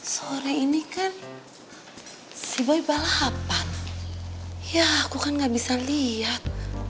sore ini kan si bayi balapan ya aku kan gak bisa lihat